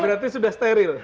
berarti sudah steril